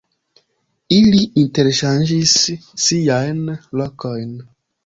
Ili interŝanĝis siajn lokojn.